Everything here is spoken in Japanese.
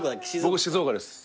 僕静岡です。